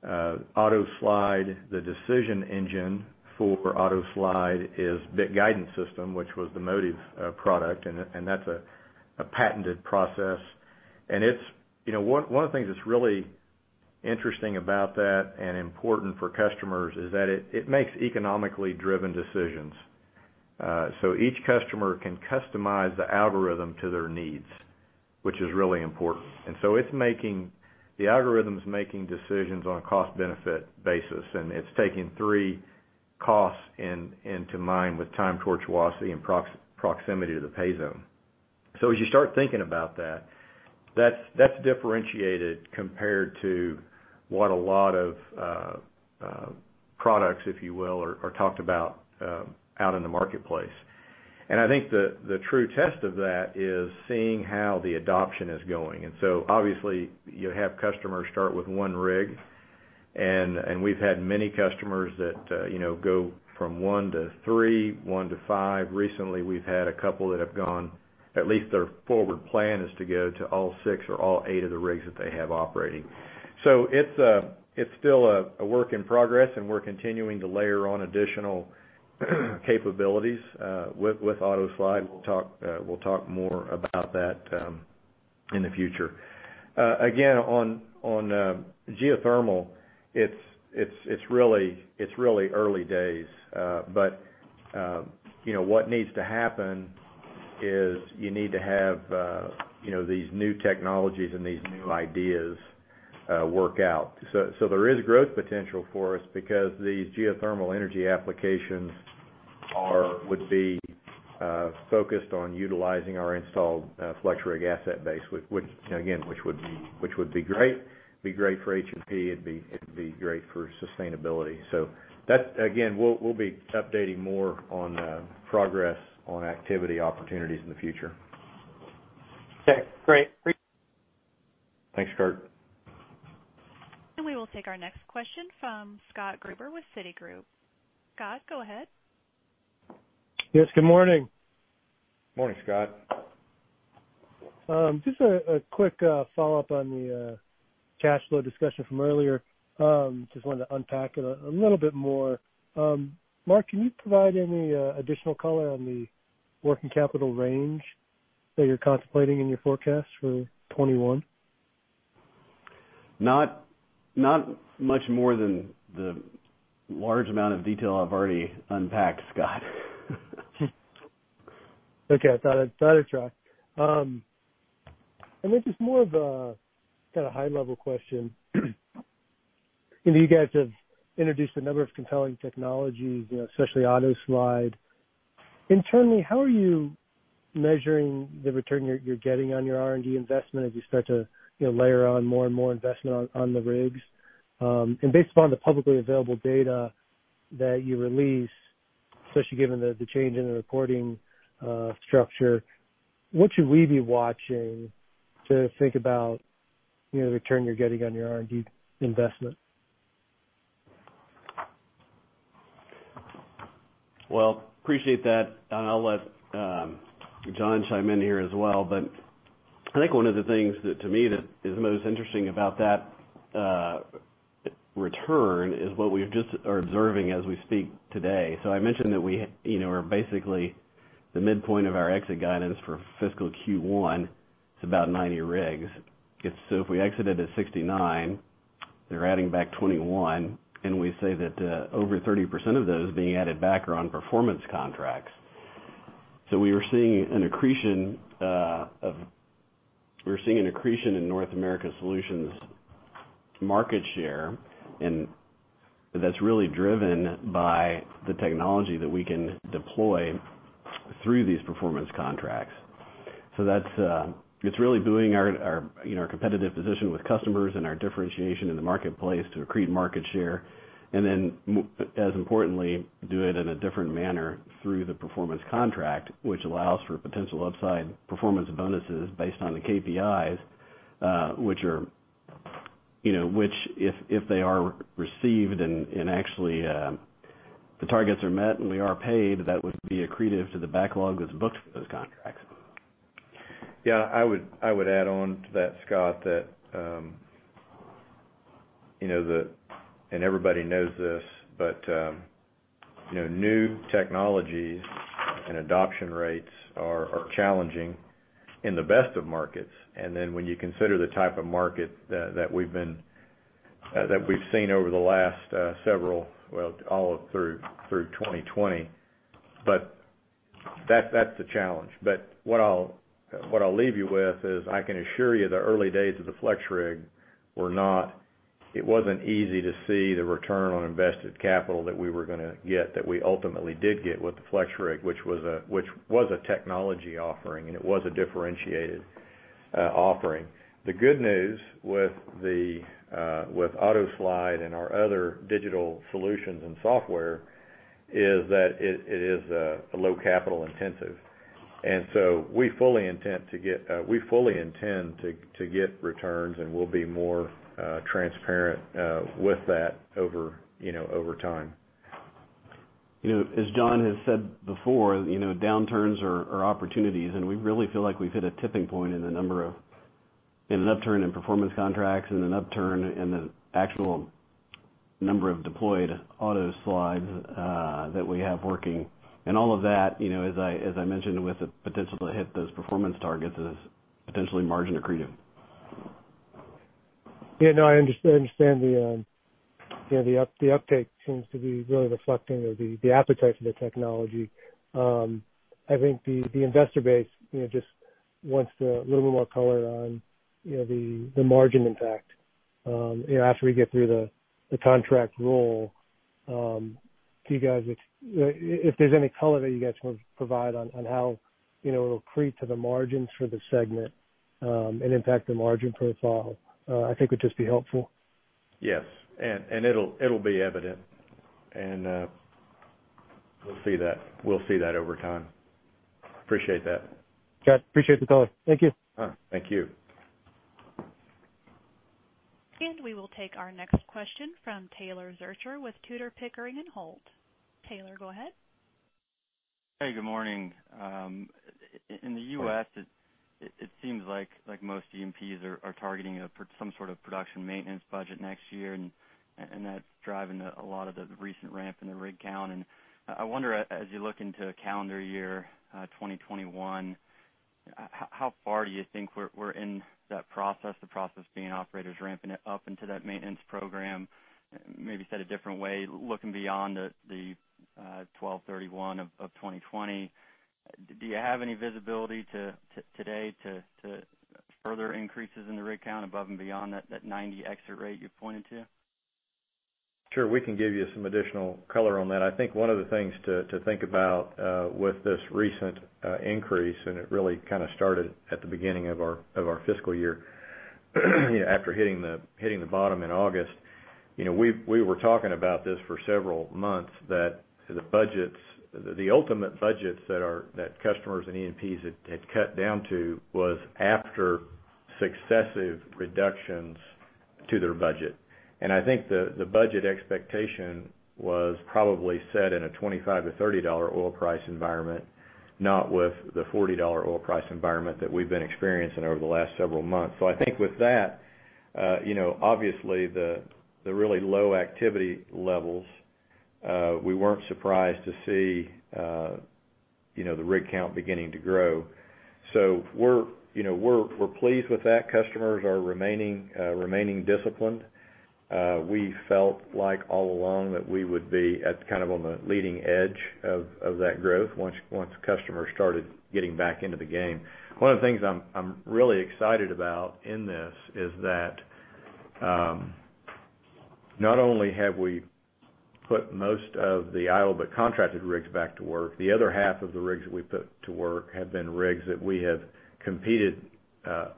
the decision engine for AutoSlide is Bit Guidance System, which was the Motive product, and that's a patented process. One of the things that's really interesting about that and important for customers is that it makes economically driven decisions. Each customer can customize the algorithm to their needs, which is really important. The algorithm's making decisions on a cost-benefit basis, and it's taking three costs into mind with time, torque, velocity, and proximity to the pay zone. As you start thinking about that's differentiated compared to what a lot of products, if you will, are talked about out in the marketplace. I think the true test of that is seeing how the adoption is going. Obviously you have customers start with one rig, and we've had many customers that go from one to three, one to five. Recently, we've had a couple that have gone, at least their forward plan is to go to all six or all eight of the rigs that they have operating. It's still a work in progress, and we're continuing to layer on additional capabilities with AutoSlide. We'll talk more about that. In the future. Again, on geothermal, it's really early days. What needs to happen is you need to have these new technologies and these new ideas work out. There is growth potential for us because these geothermal energy applications would be focused on utilizing our installed FlexRig asset base, again, which would be great. It'd be great for H&P, it'd be great for sustainability. Again, we'll be updating more on progress on activity opportunities in the future. Okay, great. Thanks, Kurt. We will take our next question from Scott Gruber with Citigroup. Scott, go ahead. Yes, good morning. Morning, Scott. Just a quick follow-up on the cash flow discussion from earlier. Just wanted to unpack it a little bit more. Mark, can you provide any additional color on the working capital range that you're contemplating in your forecast for 2021? Not much more than the large amount of detail I've already unpacked, Scott. Okay. I thought I'd try. This is more of a kind of high-level question. You guys have introduced a number of compelling technologies, especially AutoSlide. Internally, how are you measuring the return you're getting on your R&D investment as you start to layer on more and more investment on the rigs? Based upon the publicly available data that you release, especially given the change in the reporting structure, what should we be watching to think about the return you're getting on your R&D investment? Appreciate that. I'll let John chime in here as well. I think one of the things that, to me, that is most interesting about that return is what we just are observing as we speak today. I mentioned that we are basically the midpoint of our exit guidance for fiscal Q1. It's about 90 rigs. If we exited at 69, they're adding back 21, and we say that over 30% of those being added back are on performance contracts. We're seeing an accretion in North America Solutions market share, and that's really driven by the technology that we can deploy through these performance contracts. It's really buoying our competitive position with customers and our differentiation in the marketplace to accrete market share, and then, as importantly, do it in a different manner through the performance contract, which allows for potential upside performance bonuses based on the KPIs, which if they are received and actually the targets are met and we are paid, that would be accretive to the backlog that's booked for those contracts. Yeah, I would add on to that, Scott, that everybody knows this, new technologies and adoption rates are challenging in the best of markets. When you consider the type of market that we've seen all through 2020. That's the challenge. What I'll leave you with is, I can assure you, the early days of the FlexRig, it wasn't easy to see the return on invested capital that we were gonna get, that we ultimately did get with the FlexRig, which was a technology offering, it was a differentiated offering. The good news with AutoSlide and our other digital solutions and software is that it is low capital intensive. We fully intend to get returns, and we'll be more transparent with that over time. As John has said before, downturns are opportunities, and we really feel like we've hit a tipping point in an upturn in performance contracts and an upturn in the actual number of deployed AutoSlides that we have working. All of that, as I mentioned, with the potential to hit those performance targets is potentially margin accretive. Yeah, no, I understand the uptake seems to be really reflecting the appetite for the technology. I think the investor base just wants a little bit more color on the margin impact after we get through the contract roll. If there's any color that you guys want to provide on how it'll accrete to the margins for the segment and impact the margin profile, I think would just be helpful. Yes. It'll be evident, and we'll see that over time. Appreciate that. Yes. Appreciate the color. Thank you. Thank you. We will take our next question from Taylor Zurcher with Tudor, Pickering, Holt & Co. Taylor, go ahead. Hey, good morning. In the U.S. Hi It seems like most E&Ps are targeting some sort of production maintenance budget next year. That's driving a lot of the recent ramp in the rig count. I wonder, as you look into calendar year 2021. How far do you think we're in that process, the process being operators ramping it up into that maintenance program? Maybe said a different way, looking beyond the 12/31 of 2020, do you have any visibility today to further increases in the rig count above and beyond that 90 exit rate you pointed to? Sure. We can give you some additional color on that. I think one of the things to think about with this recent increase, it really kind of started at the beginning of our fiscal year after hitting the bottom in August. We were talking about this for several months, that the ultimate budgets that customers and E&Ps had cut down to was after successive reductions to their budget. I think the budget expectation was probably set in a $25-$30 oil price environment, not with the $40 oil price environment that we've been experiencing over the last several months. I think with that, obviously the really low activity levels, we weren't surprised to see the rig count beginning to grow. We're pleased with that. Customers are remaining disciplined. We felt like all along that we would be at kind of on the leading edge of that growth once customers started getting back into the game. One of the things I'm really excited about in this is that, not only have we put most of the idle but contracted rigs back to work, the other half of the rigs that we put to work have been rigs that we have competed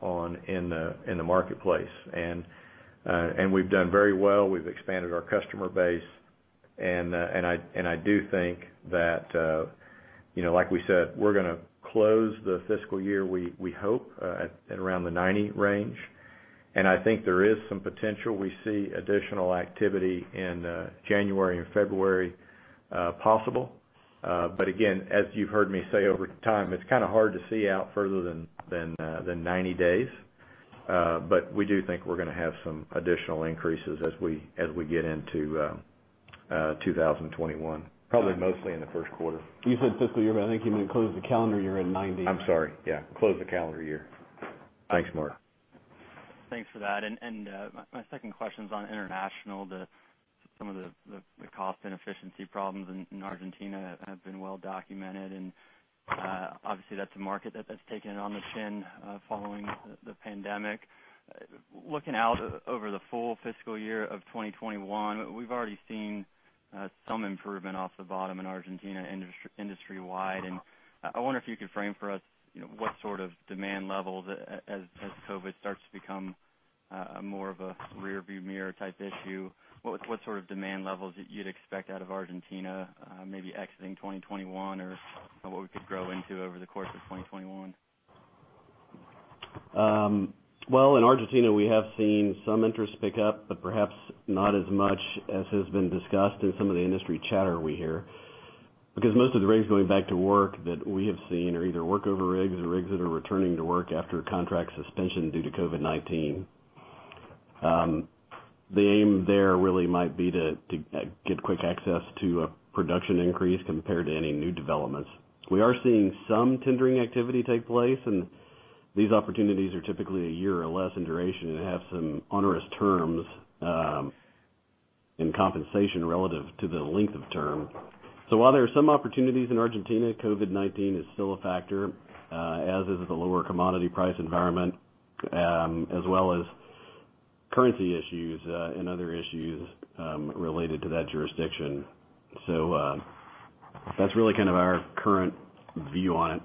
on in the marketplace. We've done very well. We've expanded our customer base, and I do think that, like we said, we're going to close the fiscal year, we hope, at around the 90 range. I think there is some potential. We see additional activity in January and February possible. Again, as you've heard me say over time, it's kind of hard to see out further than 90 days. We do think we're going to have some additional increases as we get into 2021, probably mostly in the first quarter. You said fiscal year, but I think you meant close the calendar year at 90. I'm sorry. Yeah. Close the calendar year. Thanks, Mark. Thanks for that. My second question's on international. Some of the cost and efficiency problems in Argentina have been well documented, and obviously that's a market that's taken it on the chin following the pandemic. Looking out over the full fiscal year of 2021, we've already seen some improvement off the bottom in Argentina industry-wide, and I wonder if you could frame for us what sort of demand levels, as COVID-19 starts to become more of a rear view mirror type issue, what sort of demand levels you'd expect out of Argentina maybe exiting 2021, or what we could grow into over the course of 2021? Well, in Argentina we have seen some interest pick up, but perhaps not as much as has been discussed in some of the industry chatter we hear. Most of the rigs going back to work that we have seen are either workover rigs or rigs that are returning to work after contract suspension due to COVID-19. The aim there really might be to get quick access to a production increase compared to any new developments. These opportunities are typically a year or less in duration and have some onerous terms in compensation relative to the length of term. While there are some opportunities in Argentina, COVID-19 is still a factor, as is the lower commodity price environment, as well as currency issues and other issues related to that jurisdiction. That's really kind of our current view on it.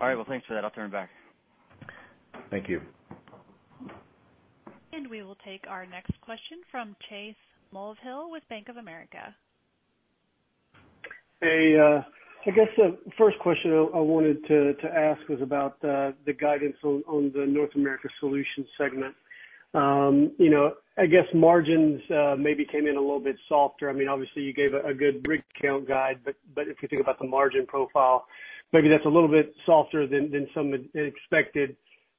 All right. Well, thanks for that. I'll turn it back. Thank you. We will take our next question from Chase Mulvehill with Bank of America. Hey, I guess the first question I wanted to ask was about the guidance on the North America Solutions segment. I guess margins maybe came in a little bit softer. Obviously you gave a good rig count guide, but if you think about the margin profile, maybe that's a little bit softer than some had expected.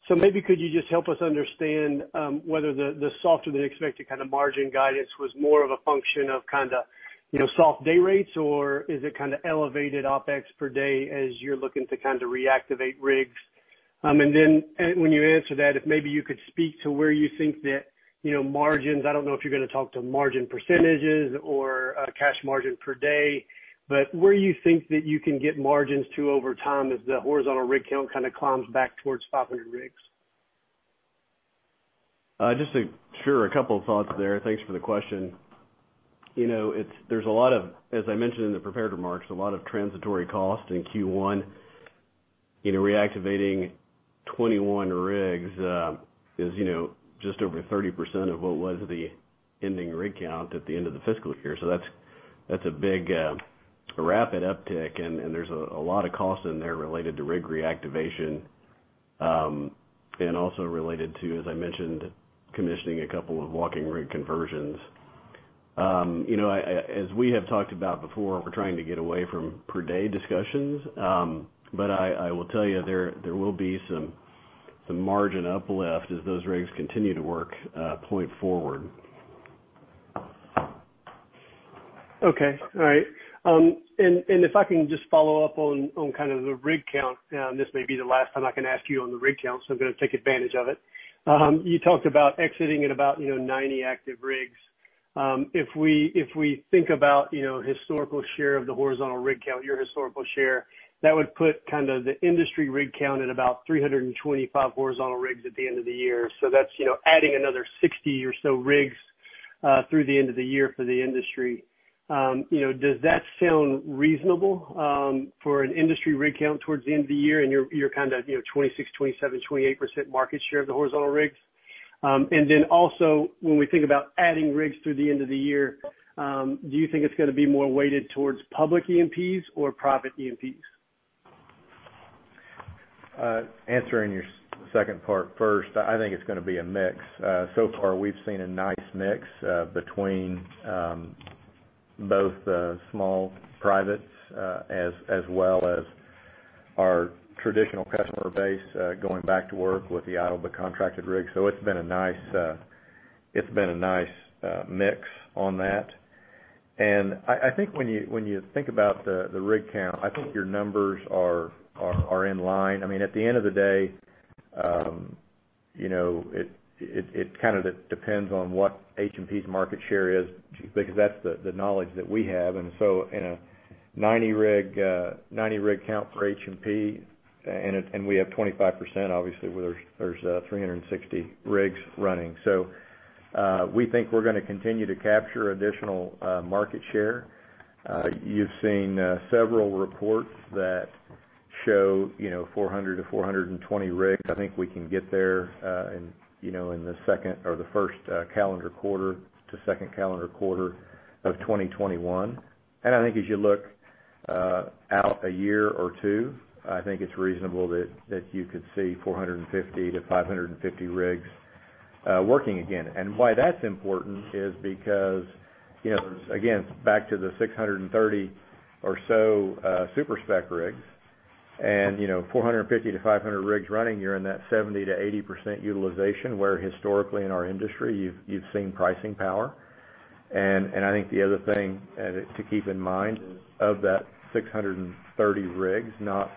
Maybe could you just help us understand whether the softer than expected kind of margin guidance was more of a function of kind of soft day rates, or is it kind of elevated OpEx per day as you're looking to kind of reactivate rigs? When you answer that, if maybe you could speak to where you think that margins, I don't know if you're going to talk to margin percentages or cash margin per day, but where you think that you can get margins to over time as the horizontal rig count kind of climbs back towards 500 rigs? Sure. A couple of thoughts there. Thanks for the question. As I mentioned in the prepared remarks, a lot of transitory cost in Q1. Reactivating 21 rigs is just over 30% of what was the ending rig count at the end of the fiscal year. That's a big rapid uptick, and there's a lot of cost in there related to rig reactivation, and also related to, as I mentioned, commissioning a couple of walking rig conversions. As we have talked about before, we're trying to get away from per-day discussions. I will tell you, there will be some margin uplift as those rigs continue to work point forward. Okay. All right. If I can just follow up on the rig count, and this may be the last time I can ask you on the rig count, so I'm going to take advantage of it. You talked about exiting at about 90 active rigs. If we think about historical share of the horizontal rig count, your historical share, that would put the industry rig count at about 325 horizontal rigs at the end of the year. That's adding another 60 or so rigs through the end of the year for the industry. Does that sound reasonable for an industry rig count towards the end of the year, and you're 26%, 27%, 28% market share of the horizontal rigs? Also, when we think about adding rigs through the end of the year, do you think it's going to be more weighted towards public E&Ps or private E&Ps? Answering your second part first, I think it's going to be a mix. So far we've seen a nice mix between both the small privates as well as our traditional customer base going back to work with the idle but contracted rigs. It's been a nice mix on that. I think when you think about the rig count, I think your numbers are in line. At the end of the day, it depends on what H&P's market share is, because that's the knowledge that we have. In a 90 rig count for H&P, and we have 25%, obviously, where there's 360 rigs running. We think we're going to continue to capture additional market share. You've seen several reports that show 400-420 rigs. I think we can get there in the first calendar quarter to second calendar quarter of 2021. I think as you look out a year or two, I think it's reasonable that you could see 450-550 rigs working again. Why that's important is because, again, back to the 630 or so super-spec rigs, and 450-500 rigs running, you're in that 70%-80% utilization, where historically in our industry, you've seen pricing power. I think the other thing to keep in mind is of that 630 rigs, not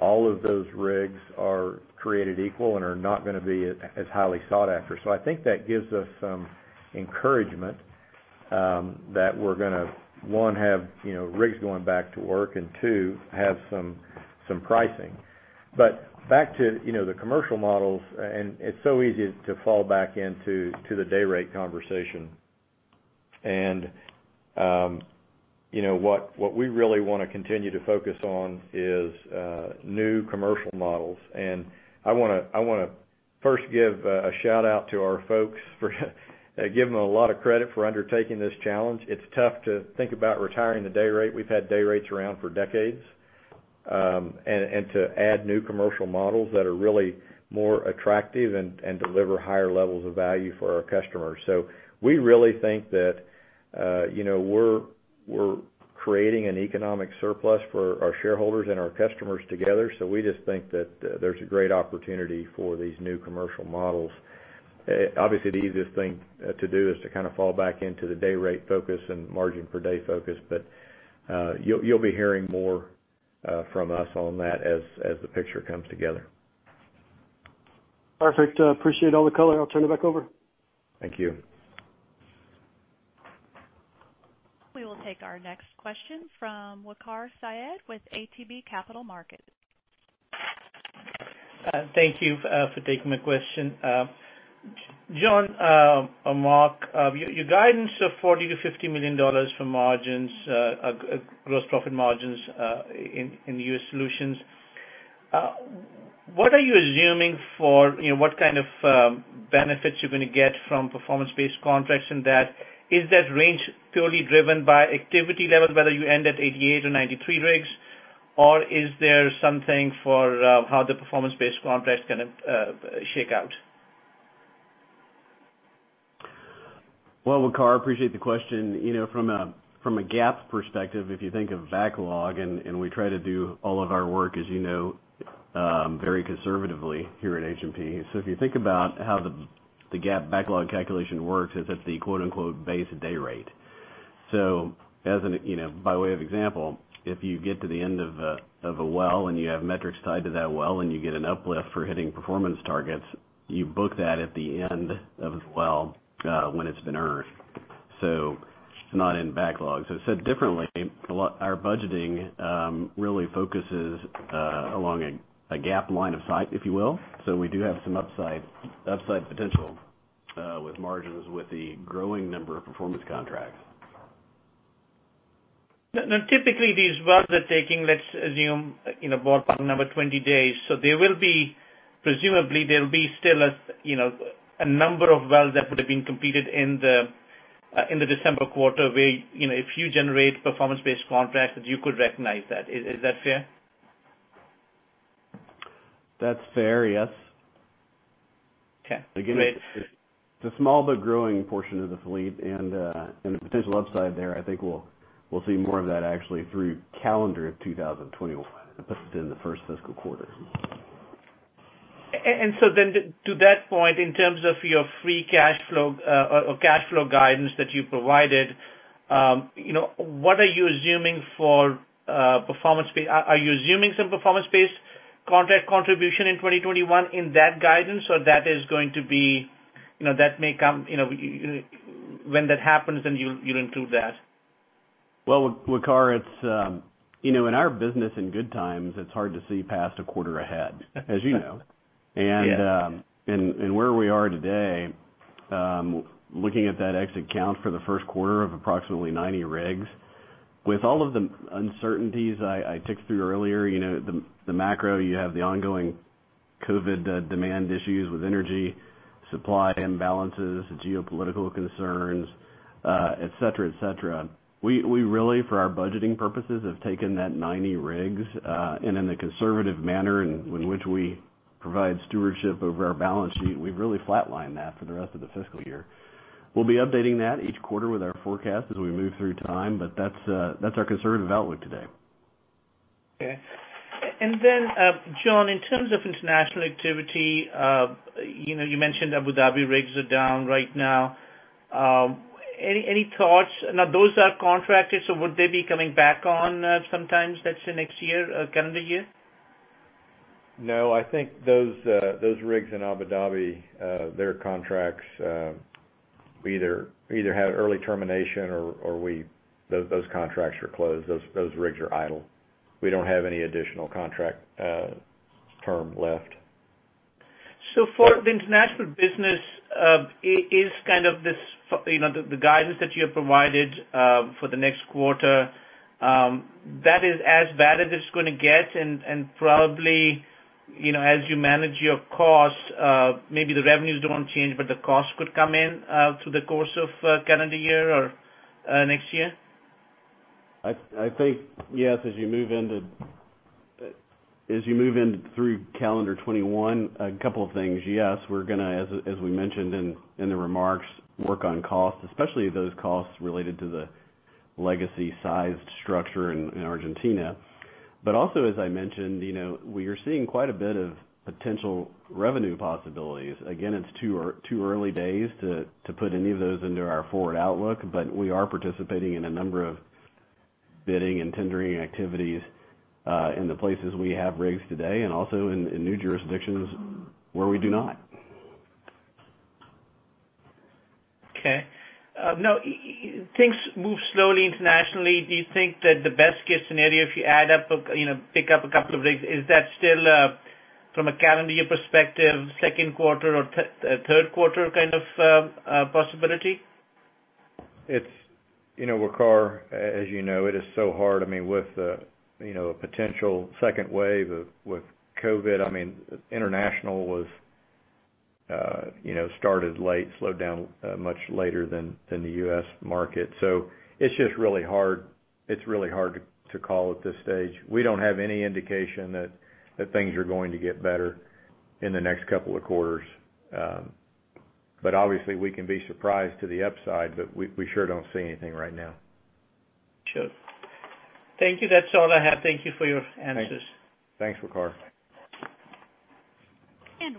all of those rigs are created equal and are not going to be as highly sought after. I think that gives us some encouragement that we're going to, one, have rigs going back to work, and two, have some pricing. Back to the commercial models, and it's so easy to fall back into the day rate conversation. What we really want to continue to focus on is new commercial models. I want to first give a shout-out to our folks for giving them a lot of credit for undertaking this challenge. It's tough to think about retiring the day rate. We've had day rates around for decades. To add new commercial models that are really more attractive and deliver higher levels of value for our customers. We really think that we're creating an economic surplus for our shareholders and our customers together. We just think that there's a great opportunity for these new commercial models. Obviously, the easiest thing to do is to fall back into the day rate focus and margin per day focus. You'll be hearing more from us on that as the picture comes together. Perfect. Appreciate all the color. I'll turn it back over. Thank you. We will take our next question from Waqar Syed with ATB Capital Markets. Thank you for taking my question. John, Mark, your guidance of $40 million-$50 million for margins, gross profit margins in U.S. Solutions. What are you assuming for what kind of benefits you're going to get from performance-based contracts in that? Is that range purely driven by activity level, whether you end at 88 or 93 rigs, or is there something for how the performance-based contracts going to shake out? Well, Waqar, appreciate the question. From a GAAP perspective, if you think of backlog, we try to do all of our work, as you know, very conservatively here at H&P. If you think about how the GAAP backlog calculation works, it's at the "base day rate." By way of example, if you get to the end of a well, and you have metrics tied to that well, and you get an uplift for hitting performance targets, you book that at the end of the well when it's been earned. It's not in backlog. Said differently, our budgeting really focuses along a GAAP line of sight, if you will. We do have some upside potential with margins with the growing number of performance contracts. Typically, these wells are taking, let's assume, ballpark 20 days. Presumably, there'll be still a number of wells that would have been completed in the December quarter where if you generate performance-based contracts, you could recognize that. Is that fair? That's fair, yes. Okay, great. It's a small but growing portion of the fleet, and the potential upside there, I think we'll see more of that actually through calendar of 2021 than within the first fiscal quarter. To that point, in terms of your free cash flow or cash flow guidance that you provided, what are you assuming for performance pay? Are you assuming some performance-based contract contribution in 2021 in that guidance? That may come, when that happens, then you'll include that? Well, Waqar, in our business, in good times, it's hard to see past a quarter ahead, as you know. Yes. Where we are today, looking at that exit count for the first quarter of approximately 90 rigs, with all of the uncertainties I ticked through earlier, the macro, you have the ongoing COVID demand issues with energy supply imbalances, geopolitical concerns, et cetera. We really, for our budgeting purposes, have taken that 90 rigs, and in the conservative manner in which we provide stewardship over our balance sheet, we've really flat-lined that for the rest of the fiscal year. We'll be updating that each quarter with our forecast as we move through time, but that's our conservative outlook today. Okay. John, in terms of international activity, you mentioned Abu Dhabi rigs are down right now. Any thoughts? Those are contracted, so would they be coming back on sometime let's say next calendar year? No, I think those rigs in Abu Dhabi, their contracts either had early termination or those contracts are closed. Those rigs are idle. We don't have any additional contract term left. For the international business, the guidance that you have provided for the next quarter, that is as bad as it's going to get, and probably, as you manage your costs, maybe the revenues don't change, but the costs could come in through the course of calendar year or next year? I think yes, as you move in through calendar 2021, a couple of things, yes, we're going to, as we mentioned in the remarks, work on costs, especially those costs related to the legacy sized structure in Argentina. Also, as I mentioned, we are seeing quite a bit of potential revenue possibilities. Again, it's too early days to put any of those into our forward outlook. We are participating in a number of bidding and tendering activities, in the places we have rigs today and also in new jurisdictions where we do not. Okay. Things move slowly internationally. Do you think that the best-case scenario, if you pick up a couple of rigs, is that still, from a calendar year perspective, second quarter or third quarter kind of possibility? Waqar, as you know, it is so hard. With a potential second wave of COVID, International started late, slowed down much later than the U.S. market. It's just really hard to call at this stage. We don't have any indication that things are going to get better in the next couple of quarters. Obviously, we can be surprised to the upside, but we sure don't see anything right now. Sure. Thank you. That's all I have. Thank you for your answers. Thanks, Waqar.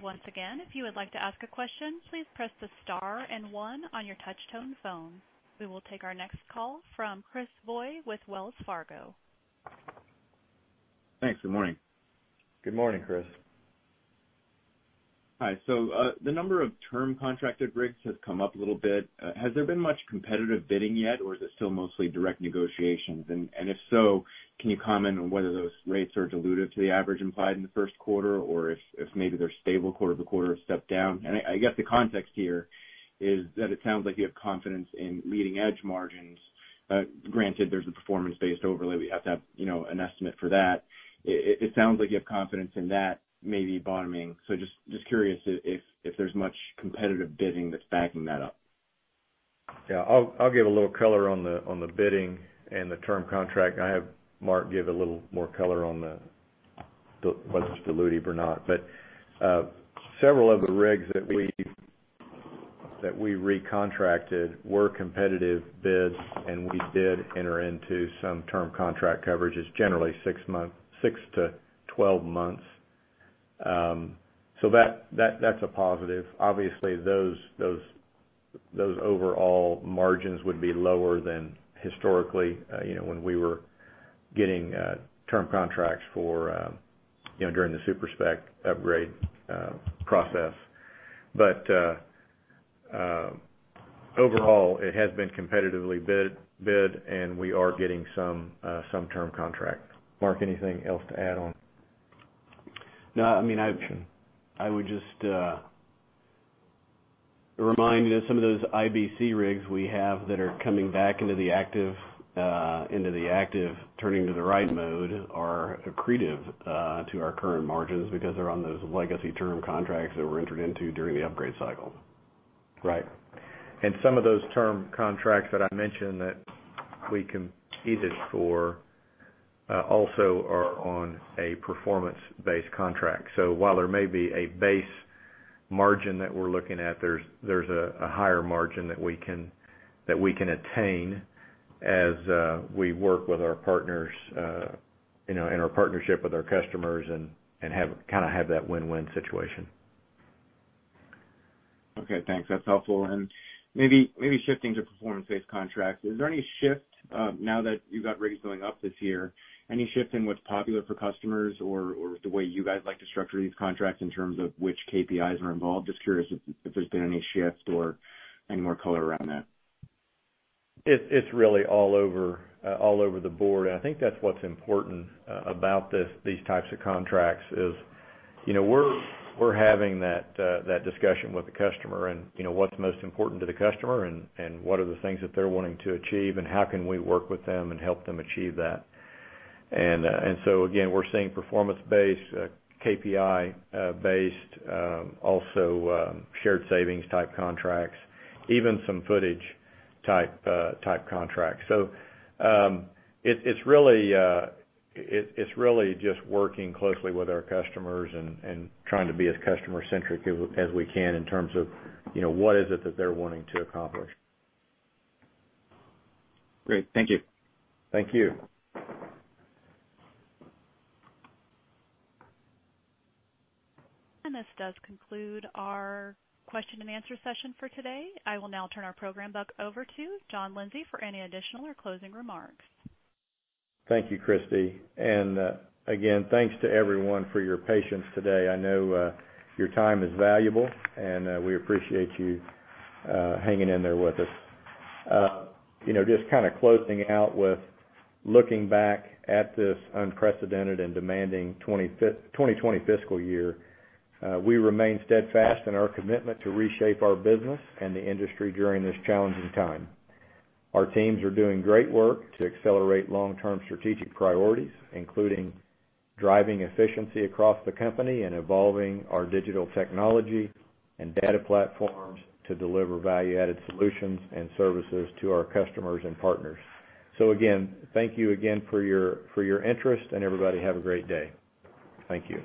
Once again, if you would like to ask a question, please press the star and one on your touch-tone phone. We will take our next call from Chris Boy with Wells Fargo. Thanks. Good morning. Good morning, Chris. Hi. The number of term contracted rigs has come up a little bit. Has there been much competitive bidding yet, or is it still mostly direct negotiations? If so, can you comment on whether those rates are dilutive to the average implied in the first quarter, or if maybe they're stable quarter to quarter, a step down? The context here is that it sounds like you have confidence in leading-edge margins. Granted, there's a performance-based overlay. We have to have an estimate for that. It sounds like you have confidence in that maybe bottoming. Just curious if there's much competitive bidding that's backing that up? Yeah. I'll give a little color on the bidding and the term contract. I have Mark give a little more color on whether it's dilutive or not. Several of the rigs that we recontracted were competitive bids, and we did enter into some term contract coverages, generally 6-12 months. That's a positive. Obviously, those overall margins would be lower than historically, when we were getting term contracts during the super-spec upgrade process. Overall, it has been competitively bid, and we are getting some term contracts. Mark, anything else to add on? No. I would just remind you that some of those IBC rigs we have that are coming back into the active turning to the right mode are accretive to our current margins because they're on those legacy term contracts that were entered into during the upgrade cycle. Right. Some of those term contracts that I mentioned that we competed for also are on a performance-based contract. While there may be a base margin that we're looking at, there's a higher margin that we can attain as we work with our partners, in our partnership with our customers, and kind of have that win-win situation. Okay, thanks. That's helpful. Maybe shifting to performance-based contracts, is there any shift now that you got rates going up this year? Any shift in what's popular for customers or the way you guys like to structure these contracts in terms of which KPIs are involved? Just curious if there's been any shifts or any more color around that. It's really all over the board, and I think that's what's important about these types of contracts is we're having that discussion with the customer and what's most important to the customer and what are the things that they're wanting to achieve, and how can we work with them and help them achieve that. Again, we're seeing performance-based, KPI-based, also shared savings type contracts, even some footage type contracts. It's really just working closely with our customers and trying to be as customer-centric as we can in terms of what is it that they're wanting to accomplish. Great. Thank you. Thank you. This does conclude our question and answer session for today. I will now turn our program back over to John Lindsay for any additional or closing remarks. Thank you, Christy. Again, thanks to everyone for your patience today. I know your time is valuable, and we appreciate you hanging in there with us. Just kind of closing out with looking back at this unprecedented and demanding 2020 fiscal year. We remain steadfast in our commitment to reshape our business and the industry during this challenging time. Our teams are doing great work to accelerate long-term strategic priorities, including driving efficiency across the company and evolving our digital technology and data platforms to deliver value-added solutions and services to our customers and partners. Again, thank you again for your interest, and everybody have a great day. Thank you.